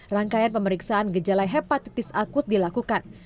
rangkaian pemeriksaan gejala hepatitis akut dilakukan